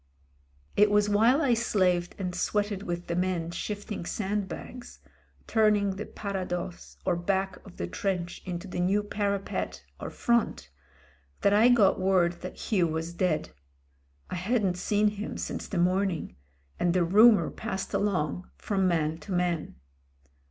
It was while I slaved and sweated with the men shifting sandbags — turning the parados, or back of the trench into the new parapet, or front — that I got word that Hugh was dead. I hadn't seen him since the morning, and the rumour passed along from man to man.